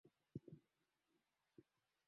Sekta hii huangaliwa kwa jicho la kipekee kabisa